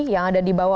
yang ada di bawah